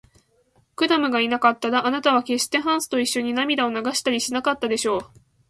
クラムがいなかったら、あなたはけっしてハンスといっしょに涙を流したりしなかったでしょう。